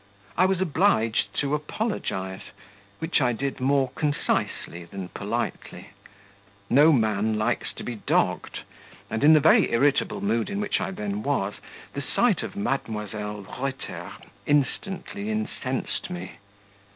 I was obliged to apologize, which I did more concisely than politely. No man likes to be dogged, and in the very irritable mood in which I then was the sight of Mdlle. Reuter thoroughly incensed me.